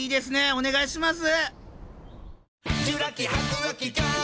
お願いします。